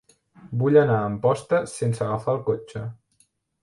Vull anar a Amposta sense agafar el cotxe.